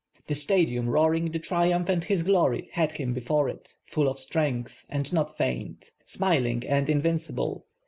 The Stad ium roaring the triumph and his glory, had him before it, full of strength and not faint, smiling and invincible.